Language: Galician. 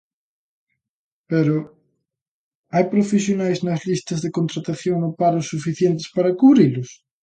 Pero, ¿hai profesionais nas listas de contratación no paro suficientes para cubrilos?